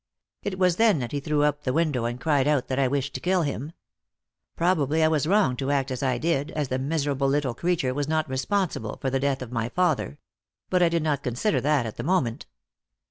It was then that he threw up the window and cried out that I wished to kill him. Probably I was wrong to act as I did, as the miserable little creature was not responsible for the death of my father; but I did not consider that at the moment.